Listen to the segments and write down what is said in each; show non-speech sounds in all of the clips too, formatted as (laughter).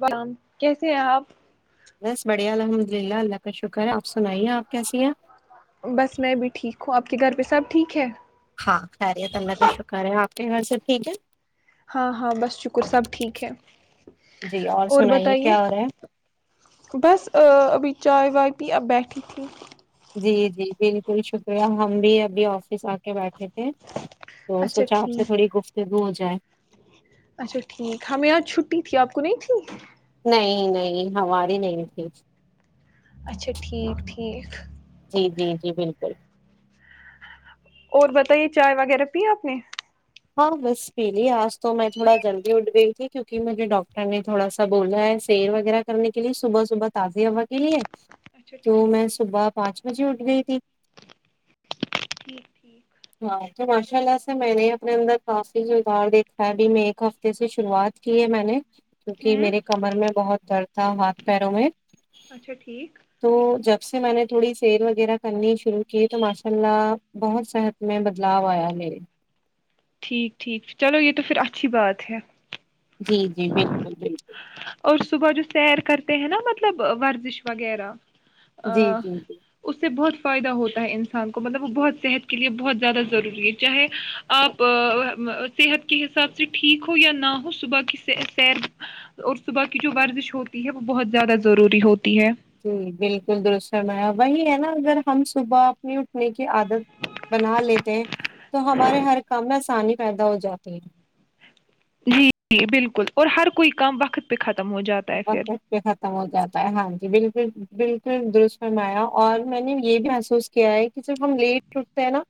و کیسے ہیں آپ بس بڑھیا الحمد للہ اللہ کا شکر ہے آپ سنائیے آپ کیسی ہیں بس میں بھی ٹھیک ہوں آپ کے گھر پہ سب ٹھیک ہے ہاں خیریت اللہ کا شکر ہے آپ اور سب ٹھیک ہے ہاں ہاں بس شکر سب ٹھیک ہے جی اور سنائیے بتائیے کیا ہو رہا بس ابھی چائے وائے بھی اب بیٹھی تھی ہے جی جی بالکل شکریہ ہم بھی ابھی آفس آ کے بیٹھے تو اچھا سوچا آپ سے ٹھیک تھوڑی گفتگو ہو جائے جائے اچھا ٹھیک ہمیں یہاں چھٹی تھی آپ کو نہیں تھی نہیں نہیں ہماری نہیں تھی اچھا ٹھیک ٹھیک جی جی جی بالکل اور بتائیے چائے وغیرہ پی آپ نے ہاں بس پیلی آج تو میں تھوڑا جلدی اٹھ گئی تھی کیوںک کہ مجھے ڈاکٹر نے تھوڑا سا بولا ہے سیر وغیرہ کرنے کے لیے صبح صبح تازی ہوا کے لیے اچھا تو ٹھیک میں صبح پانچ بجے اٹھ گئی تھی ٹھیک ٹھیک اشء اللہ سے میں نے اپ نے اندر کافی ززار دیکھا ہے ابھی میں ایک ہفتے سے شروعات کی ہے میں نے کیونکہ ہوں میرے کمر میں بہت درد ہ ہات پیروں میں اچھا ٹھیک تو جب سے میں نے تھوڑی سیر وغیرہ کرنی شروع کی تو ماشاء اللہ بہت صحت میں بدلاؤ آیا ہےیرے ٹھیک ٹھیک چلو یہ تو پھر اچھی بات ہے جی جی بالکل بالکل اور صبح جو سیر کر کے ہیں نا مطلب ورزش وغیرہ جی ا جی جی اس سے بہت فائدہ ہوتا ہے انسان کو مطلب وہ بہت صحت کے لیے بہت زیادہ ضروری ہے چاہے آپ صحت کے حساب سے ٹھیک ہو یا نہ ہو صبح کی سیر اور صبح کی جو ورزش ہوتی ہے وہ بہت زیادہ ضروری ہوتی ہے جی بالکل دشرمایا وہی ہے نا اگر ہم صبح اپنی اٹھنے کی عادت بنا لیتے تو ہمارے ہر کام میں آسانی پیدا ہو جاتی ہے جی جی بالکل اور ہر کوئی کام وقت پہ خر برکٹ پہ ختم ہو جاتا ہے ہاں جی بالکل بالکل در فرم آیا اور میں نے یہ بھی محسوس کیا ہے کہ صرف ہم لیٹ روٹتے ہیں نا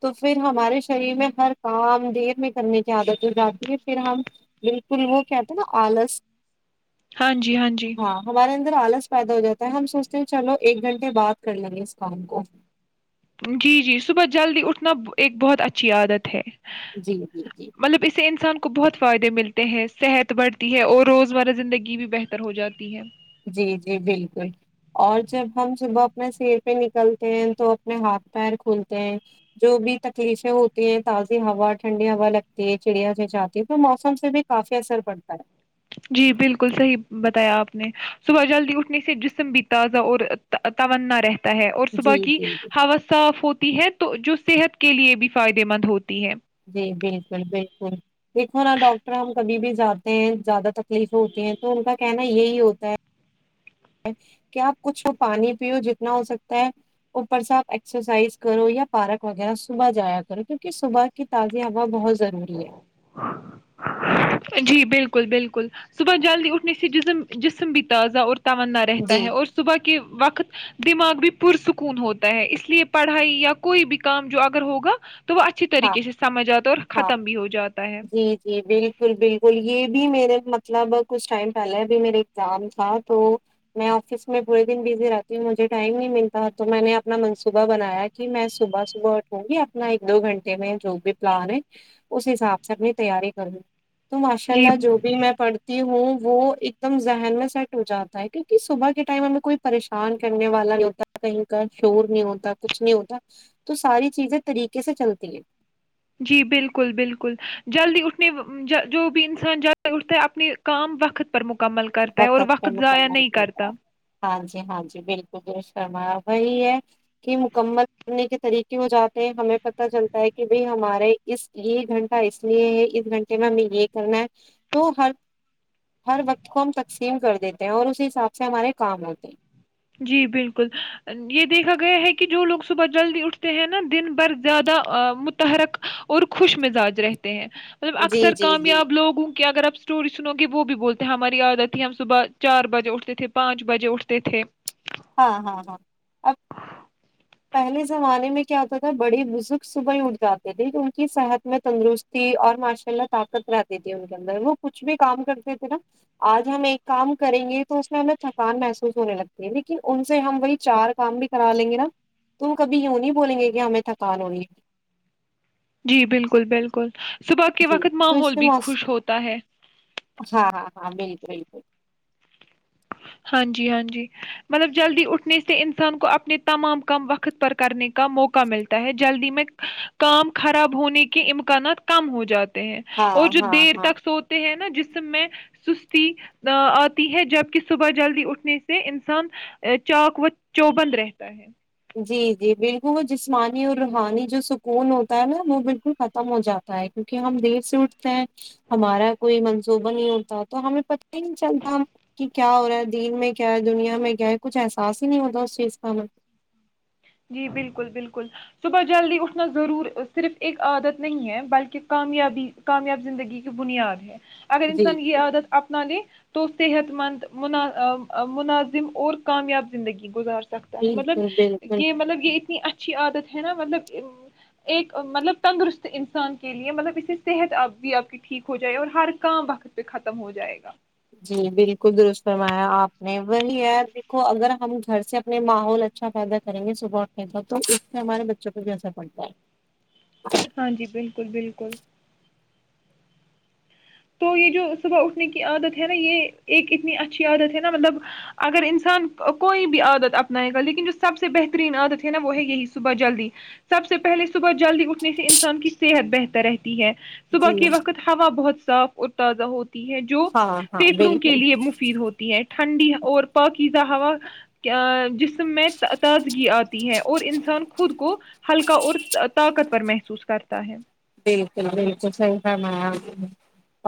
تو پھر ہمارے شریر میں ہر کام دیر میں کرنے کی عادت ہو جاتی ہے پھر ہم بالکل وہ کہتے ہیں نا آلس ہاں جی ہاں جی ہمارے اندر آلس پیدا ہو جاتا ہے ہم سوچتے ہیں چلو ایک گھنٹے بعات کر لیں گے اس کام کو جی جی صبح جلدی اٹھنا ایک بہت اچھی عادت ہے جی جی جی مطلب اسے انسان کو بہت فائدے ملتے صحت بڑھتی ہے اور روزمرہ زندگی بھی بہتر ہو جاتی ہے جی جی بالکل اور جب ہم صبح اپنے سیر پہ نکلتے ہیں تو اپنے ہاتھ پیر کھولتے ہیں جو بھی تکلیفیں ہوتی ہیں تازی ہوا ٹھنڈی ہوا لگتی ہے چڑیا چھنچھاتی ہے تو موسم سے بھی کافی اثر پڑتا ہے جی بالکل صحیح بتایا آپ نے صبح جلدی اٹھنے سے جسم بھی تازہ اور توانا رہتا ہے اور صبح جی کی جی جی ہوا صاف ہوتی ہے تو جو صحت کے لیے بھی فائدے مند ہوتی ہے جی بالکل بالکل دیکھو نا ڈاکٹر ہم کبھی بھی جاتے ہیں زیادہ تکلیف ہوتی ہیں تو ان کا کہنا یہی ہوتا ہے کہ آپ کچھ ہو پانی پیو جتنا ہو سکتا ہے اوپر سے آپ ایکسرسائز کرو یا پارک وغیرہ صبح جایا کرو کیونکہ صبح کی تازی ہوا بہت ضروری ہے جی بالکل بالکل صبح جلدی اٹھنے سے جسم جسم بھی تازہ اور تنا رہتا جی ہے اور صبح کے کے وقت دماغ بھی پرسکون ہوتا ہے اس لیے پڑھائی یا کوئی بھی کام جو اگر ہوگا تو وہ اچھی ہاں طریقے سے سمجھ آتا اور ہاں ختم بھی ہو جاتا ہے جی جی بالکل بالکل یہ بھی میرے مطلب کچھ ٹائم پہلے بھی میرے ایگزام تھا تو میں آفس میں پورے دن بزی رہتی ہوں مجھے ٹائم نہیں ملتا تو میں نے اپنا منصوبہ بنایا کہ میں صبح صبح اٹھوں گی اپنا ایک دو گھنٹے میں جو بھی پلان ہے اس حساب سے اپنی تیاری کرنی تو ماشاء جی اللہ جو بھی میں پڑھتی ہوں وہ ایک دم ذہن میں سیٹ ہو جاتا ہے کیکہ صبح کے ٹائم ہمیں کوئی پریشان کرنے والا نہیں ہوتا کہیں کا شور نہیں ہوتا کچھ نہیں ہوتا تو ساری چیزیں طریقے سے چل جھ جی بالکل بالکل جلدی اٹھنے جو بھی انسان جد اٹھتا ہے اپنے کام وقت پر مکمل کرتا ہے اور وقت پہ ضائع مکمل نہیں کرتا ہے ہاں جی ہاں جی بالکل ا وہی ہے کہ مکمل کرنے کے طریقے ہو جاتے ہیں ہمیں پتہ چلتا ہے کہ بھائی ہمارے اس یہ گھنٹہ اس لیے ہے اس گھنٹے میں ہمیں یہ کرنا ہے تو ہر ہر وقت کو ہم تقسیم کر دیتے ہیں اور اسی حساب سے ہمارے کام ہوتے ہیں جی بالکل یہ دیکھا گیا ہے کہ جو لوگ صبح جلدی اٹھتے ہیں نا دن بھر زیادہ متحرک اور خوش مزاج رہتے ہیں مطلب ہیں جی اکثر جی جی کامیاب لوگوں کہ اگر آپ اسٹوری سنو گے وہ بھی بولتے ہیں ہماری یااد آتی ہے ہم صبح چار بجے اٹھتے تھے پانچ بجے اٹھتے تھے ہاں ہاں ہاں اب پہلے زمانے میں کیا ہوتا تھا بڑے بزرگ صبح ہی اٹھ جاتے تھے کہ ان کی صحت میں تندرستی اور ماشاء اللہ طاقت رہتی تھی ان کے اندر وہ کچھ بھی کام کرتے تھے نا آج ہم ایک کام کریں گے تو اس میں ہمیں تھکان محسوس ہونے لگتی ہے ل لن ان سے ہم وہی چار کام بھی کرا لیں گے نا تو کبھی یوں نہیں بولیں گے کہ ہمیں تھکان ہونی ہے جی بالکل بالکل صبح کے جی وقت تو اس ماحول سے بھی موس- خوش ہوتا ہے ہاں ہاں ہاں بالک بالکل ہاں جی ہاں جی مطلب جلدی اٹھنے سے انسان کو اپنے تمام کام وقت پر کرنے کا موقع ملتا ہے جلدی میں کام خراب ہونے کے امکانات کم ہو جاتے ہیں ہاں اور جو ہاں دیر ہاں تک سوتے ہیں نا جس میں سستی آتی ہے جب کسی صبح جلدی اٹھنے سے انسان چاک و چوبند رہتا ہے جی جی بالکل وہ جسمانی اور روحانی جو سکون ہوتا ہے نا وہ بالکل ختم ہو جاتا ہے کیونکہ ہم دیر سے اٹھتے ہیں ہمارا کوئی منصوبہ نہیں ہوتا تو ہمیں پتہ ہی نہیں چلتا کہ کیا ہو رہا ہے دین میں کیا ہے دنیا میں کیا ہے کچھ احساس ہی نہیں ہوتا اس چیز کا ہمیں جی بالکل بالکل صبح جلدی اٹھنا ضرور صرف ایک عادت نہیں ہے بلکہ کامیابی کامیاب زندگی کی بنیاد ہے اگر جی، انسان یہ عادت اپنانے (unintelligible) تو صحت مند مناظم اور کامیاب زندگی گزار (unintelligible) سکتا ہے مطلب بالکل، (unintelligible) بالکل، کہ مطلب کہ (unintelligible) اتنی اچھی عادت ہے نا مطلب ایک مطلب تندرست انسان کے لیے مطلب اس سے صحت اب بھی آپ کی ٹھیک ہو جائے اور ہر کام وقت پہ ختم ہو جائے گا (unintelligible) جی بالکل درست فرمایا آپ نے وہی ہے دیکھو اگر ہم گھر سے اپنے ماحول اچھا پیدا کریں گے صبح اٹھنے کا تو اس سے ہمارے بچوں پہ بھی اثر پڑتا ہے (unintelligible) ہاں جی بالکل بالکل (unintelligible) تو یہ جو صبح اٹھنے کی عادت ہے نا یہ ایک اتنی اچھی عادت ہے نا مطلب اگر انسان کوئی بھی عادت اپنائے گا لیکن جو سب سے بہترین عادت ہے نا وہ ہے یہی صبح جلدی سب سے پہلے صبح جلدی اٹھنے سے انسان کی صحت بہتر رہتی ہے صبح جی، کے وقت ہوا بہت (unintelligible) صاف اور تازہ ہو (unintelligible) ہے جو ہاں، ہاں، فھیفڑوں کے بالکل، لیے مفید ہوتی ہے (unintelligible) ٹھنڈی اور پاکیزہ ہوا جسم میں تازگی آتی ہے اور انسان خود کو ہلکا اور طاقت پر محسوس کرتا ہے (unintelligible) بالکل بالکل صحیح فرمایا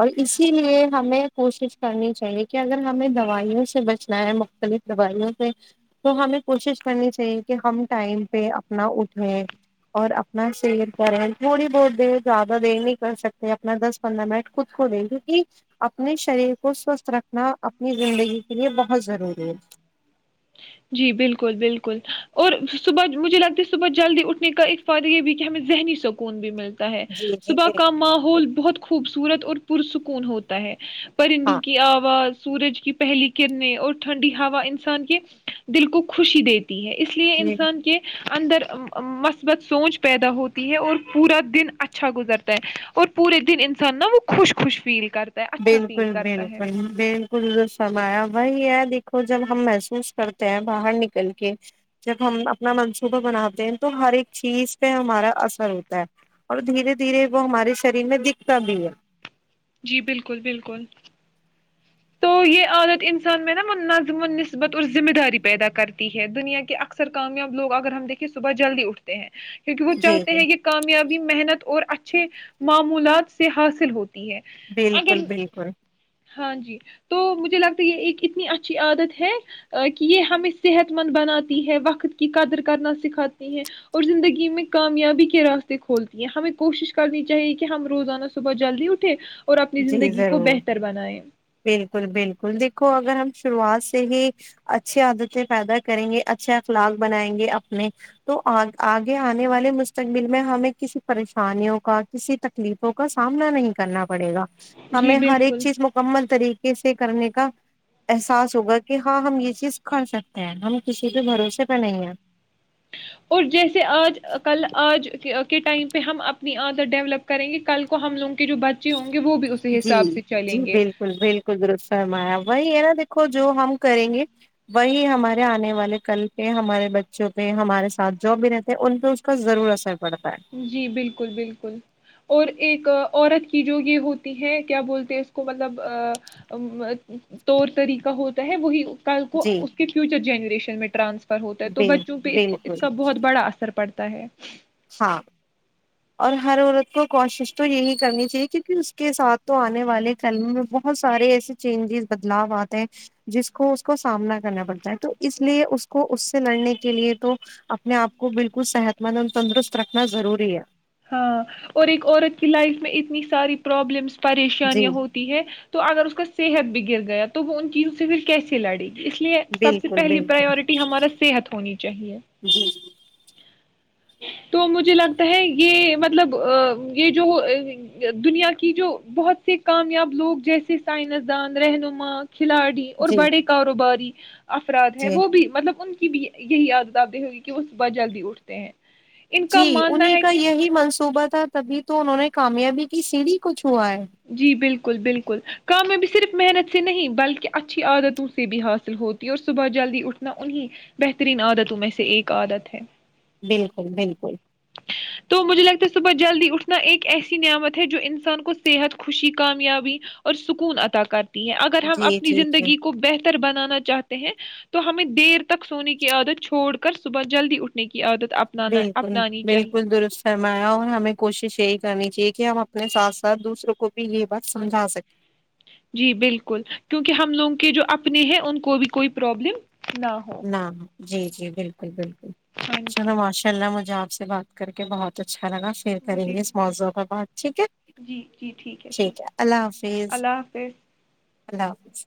اور اسی لیے ہمیں کوشش کرنی چاہیے کہ اگر ہمیں دوائیوں سے بچنا ہے مختلف دوائیوں سے تو ہمیں کوشش کرنی چاہیے کہ ہم ٹائم پہ اپنا اٹھیں اور اپنا سیر کریں تھوڑی بہت (unintelligible) د زیادہ دیر نہیں کر سکتے اپنا دس پندرہ منٹ خود کو دے کیونکہ اپنے شریر کو سوستھ رکھنا اپنی زندگی کے لیے بہت ضروری ہے جی بالکل بالکل اور صبح مجھے لگتا ہے صبح جلدی اٹھنے کا ایک فائدہ یہ بھی کہ ہمیں ذہنی سکون بھی ملتا ہے جی جی صبح کا بالکل ماحول بہت خوبصور (unintelligible) سورت اور پرسکون ہوتا ہے (unintelligible) پرندوں ہاں کی آواز (unintelligible) سورج کی پہلی کرنیں اور ٹھنڈی ہوا انسان کے دل کو خوشی دیتی ہے اس لیے جی انسان کے اندر مثبت سونچ پیدا ہوتی ہے اور پورا دن اچھا گزرتا ہے اور پورے دن انسان نہا وہ خوش خوش فیل کرتا ہے اچھا فیل بالکل کرتا ہے بالکل بالکل فمایا وہی ہے دیکھو جب ہم محسوس کرتے ہیں باہر نکل کے جب ہم اپنا منصوبہ بناتے ہیں تو ہر ایک چیز پہ ہمارا اثر ہوتا ہے اور دھیرے دھیرے وہ ہمارے شریر میں دکھتا بھی ہے جی بالکل بالکل تو یہ عادت انسان میں نا وہ نظم و نسبت اور ذمہ داری پیدا کرتی ہے دنیا کے اکثر کامیاب لوگ اگر ہم دیکھیے صبح جلدی اٹھتے ہیں کیونکہ وہ جی چاہتے جی ہیں یہ کامیابی محنت اور اچا اچھے معمولات سے حاصل ہوتے ہے بالکل اگر بالکل ہاں جی تو مجھے لگتا ہے یہ ایک اتنی اچھی عادت ہے کہ یہ ہمیں صحت مند بناتی ہے وقت کی قدر کرنا سکھاتی ہیں اور زندگی میں کامیابی کے راستے کھولتی ہیں ہمیں کوشش کرنی چاہیے کہ ہم روزانہ صبح جلدی اٹھے اور اپنی جی زندگی کو ضرور بہتر بنائیں بالکل بالکل دیکھو اگر ہم شروعات سے ہی اچھی آدت سے پائدا کریں گے اچھے اخلاق بنائیں گے اپنے تو آگے آنے والے مستقبل میں ہمیں کسی پریشانیوں کا کسی تکلیفوں کا سامنا نہیں کرنا پڑے گا جی ہمیں ہر ایک بالکل چیز مکمل طریقے سے کرنے کا احساس ہوگا کہ ہاں ہم یہ چیز کر سکتے ہیں ہم کسی بھی بھروسے پ نہیں ہیں اور جیسے آج کل آج کے ٹائم پہ ہم اپنی آدر ڈیولپ کریں گے کل کو ہم لوگوں کے جو بچے ہوں گے وہ بھی اسی جی حساب سے جی چلیں گے بالکل بالکل درمایا وہی ہے نا دیکھو جو ہم کریں گے وہی ہمارے آنے والے کل پہ ہمارے بچوں پہ ہمارے ساتھ جاب بھی رہتے ان پہ اس کا ضرور اثر پڑتا ہے جی بالکل بالکل اور ایک عورت کی جو یہ ہوتی ہے کیا بولتے اس کو مطلب طور طریقہ ہوتا ہے وہی کل کو جی اس کے فیوچر جنریشن میں ٹرانسفر ہوتا ہے تو بال بچوں پہ اس بالکل کا بہت بڑا اثر پڑتا ہے تا ہے ہاں اور ہر عورت کو کوشش تو یہی کرنی چاہیے کیونکہ اس کے ساتھ تو آنے والے کلم میں بہت سارے ایسے چینجز بدلاؤ آتے ہیں جس کو اس کو سامنا کرنا پڑتا ہے تو اس لیے اس کو اس سے لڑنے کے لیے تو اپنے آپ کو بالکل صحت مند تندرست رکھنا ضروری ہے ہاں اور ایک عورت کی لائف میں اتنی ساری پرابلمس پریشانیاں جی ہوتی ہے تو اگر اس کا صحت بھی گر گیا تو تو وہ ان چیزوں سے پھر کیسے لڑے اس لیے سب سے بالکل پہلی بالکل پریورٹی ہمارا صحت ہونی چاہیے جی تو مجھے لگتا ہے یہ مطلب یہ جو دنیا کی جو بہت سے کامیاب لوگ جیسے سائنسدان رہنما کھلاڑی اور جی بڑے کاروباری (unintelligible) افراد ہیں جی وہ بھی مطلب ان کی بھی یہی یادت آ دیں ہوگی کہ وہ صبح جلدی اٹھتے ہیں ان کا جی ماننا انہیں ہے کا کہ یہی منش صوبہ تھا تبھی تو انہوں نے کامیابی کی سیڑھی کچھ کووائے جی بالکل بالکل کام میں بھی صرف محنت سے نہیں بلکہ اچھی عادتوں سے بھی حاصل ہوتی اور صبح جلدی اٹھنا انہیں بہترین عادتوں میں سے ایک عادت ہے بالکل بالکل تو مجھے لگتا ہے صبح جلدی اٹھنا ایک ایسی نعمت ہے جو انسان کو صحت خوشی کامیابی اور سکون عطا کر ہیں اگر ہم جی اپنی جی جی زندگی کو بہتر بنانا چاہتے ہیں تو ہمیں دیر تک سونے کی عادت چھوڑ کر صبح جلدی اٹھنے کی عادت اپنانا بالکل اپنانی چاہیے بالکل درست سرمایا اور ہمیں کوشش یہی کرنی چاہیے کہ ہم اپنے ساتھ ساتھ دوسروں کو بھی یہ بات سمجھا سکیں جی بالکل کیونکہ ہم لوگوں کے جو اپنے ہیں ان کو بھی کوئی پرابلم نہ ہو نہ جی جی بالکل بالکل ہاں جی چلو ماشاء اللہ م آپ سے بات کر کے بہت اچھا لگا شر کریں مجھے گے اس بھی موووں کے بعد جی جی ٹھیک ہے ٹھیک ہے اللہ حافظ اللہ حافظ اللہ حافظ